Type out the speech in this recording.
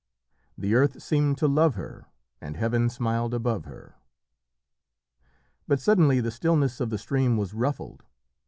"The Earth seemed to love her And Heaven smiled above her." But suddenly the stillness of the stream was ruffled.